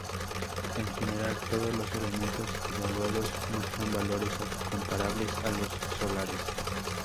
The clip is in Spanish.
En general, todos los elementos evaluados muestran valores comparables a los solares.